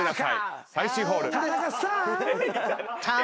最終ホール。